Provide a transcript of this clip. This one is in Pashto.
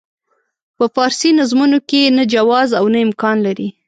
په فارسي نظمونو کې نه جواز او نه امکان لري.